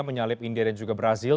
menyalip india dan juga brazil